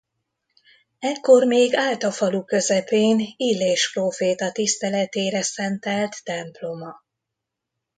Ekkor még állt a falu közepén Illés próféta tiszteletére szentelt temploma.